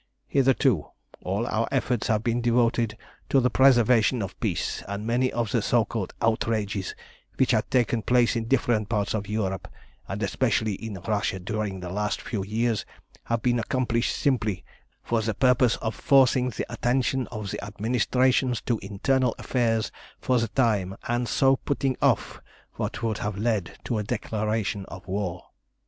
Hitherto all our efforts have been devoted to the preservation of peace, and many of the so called outrages which have taken place in different parts of Europe, and especially in Russia, during the last few years, have been accomplished simply for the purpose of forcing the attention of the administrations to internal affairs for the time, and so putting off what would have led to a declaration of war.